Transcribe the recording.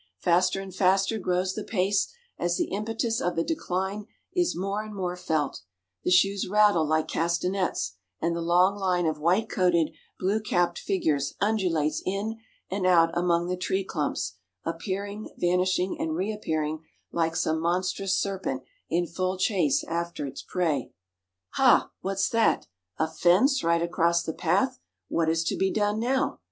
Faster and faster grows the pace as the impetus of the decline is more and more felt, the shoes rattle like castanets, and the long line of white coated, blue capped figures undulates in and out among the tree clumps, appearing, vanishing, and reappearing like some monstrous serpent in full chase after its prey. Ha! What's that? A fence right across the path? What is to be done now?